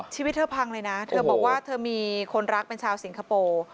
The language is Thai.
ชีวิตเธอพังเลยนะเธอบอกว่าเธอมีคนรักเป็นชาวสิงคโปร์